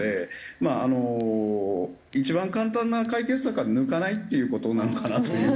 まああの一番簡単な解決策は抜かないっていう事なのかなという風には思います。